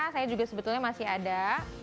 saya juga sebetulnya masih ada